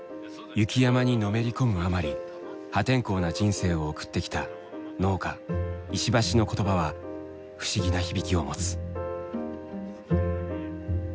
雪山にのめり込むあまり破天荒な人生を送ってきた農家石橋の言葉は不思議な響きを持つ。